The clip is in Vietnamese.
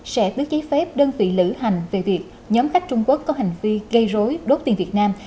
sẽ tước giấy phép đơn vị lữ hành về việc nhóm khách trung quốc có hành vi gây rối đốt tiền việt nam